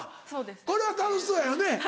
これは楽しそうやよね。